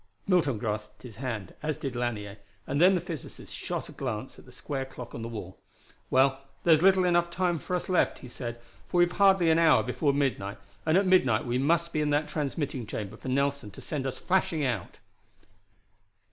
Milton grasped his hand, as did Lanier, and then the physicist shot a glance at the square clock on the wall. "Well, there's little enough time left us," he said, "for we've hardly an hour before midnight, and at midnight we must be in that transmitting chamber for Nelson to send us flashing out!"